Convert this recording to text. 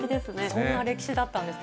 そんな歴史だったんです。